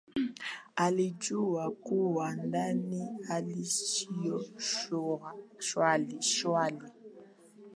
Alijua kuwa ndani hali sio shwari